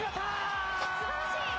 すばらしい。